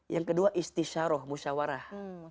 yang kedua istigharah musyawarah